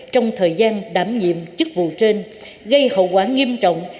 trong thời gian đảm nhiệm chức vụ trên gây hậu quả nghiêm trọng